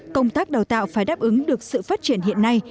công tác đào tạo phải đáp ứng được sự phát triển hiện nay